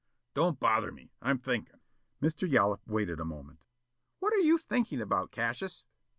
"Don't bother me. I'm thinkin'!" Mr. Yollop waited a moment. "What are you thinking about, Cassius?"